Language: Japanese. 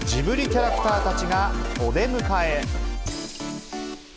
キャラクターたちがお出迎え。